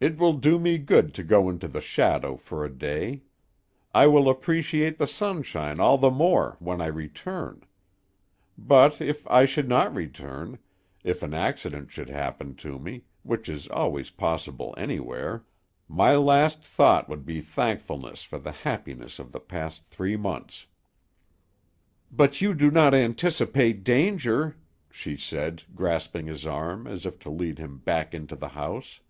It will do me good to go into the shadow for a day; I will appreciate the sunshine all the more when I return. But if I should not return if an accident should happen to me, which is always possible anywhere my last thought would be thankfulness for the happiness of the past three months." "But you do not anticipate danger?" she said, grasping his arm, as if to lead him back into the house.